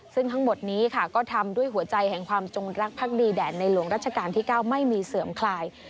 ซึ่งทั้งหมดนี้ค่ะก็ทำด้วยหัวใจแห่งความจงรักภักดีแด่ในหลวงรัชกาลที่๙ไม่มีเสื่อมคลาย